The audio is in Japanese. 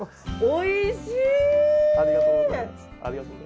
おいしい！